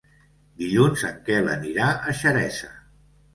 Dilluns en Quel anirà a Xeresa.